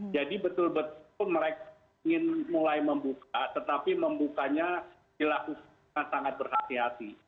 jadi betul betul mereka ingin mulai membuka tetapi membukanya dilakukan sangat berhati hati